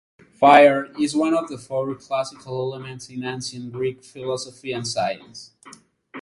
Fire is one of the four classical elements in ancient Greek philosophy and science.